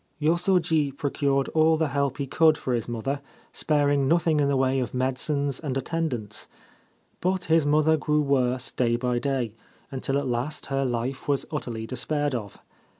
Yosoji procured all the help he could for his mother, sparing nothing in the way of medicines and attendance ; but his mother grew worse day by day, until at last her life was utterly despaired of.